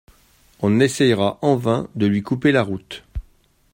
On essayera en vain de lui couper la route.